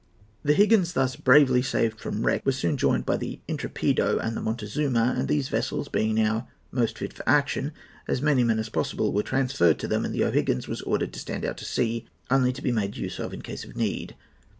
The O'Higgins, thus bravely saved from wreck, was soon joined by the Intrepido and the Montezuma, and these vessels being now most fit for action, as many men as possible were transferred to them, and the O'Higgins was ordered to stand out to sea, only to be made use of in case of need.